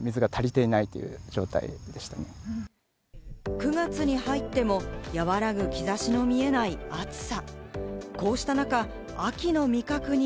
９月に入っても和らぐ兆しの見えない暑さ。